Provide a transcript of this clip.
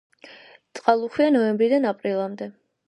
წყალუხვია ნოემბრიდან აპრილამდე.